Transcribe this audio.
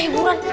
ayo buruan cepet